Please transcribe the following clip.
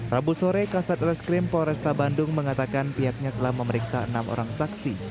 rabu sore kasat reskrim polresta bandung mengatakan pihaknya telah memeriksa enam orang saksi